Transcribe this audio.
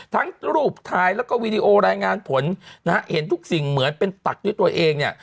ทั้งรูปถ่ายแล้วก็วีดีโอรายงานผลนะฮะเห็นทุกสิ่งเหมือนเป็นตักด้วยตัวเองเนี่ย